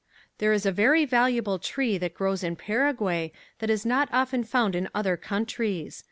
There is a very valuable tree that grows in Paraguay that is not often found in other countries.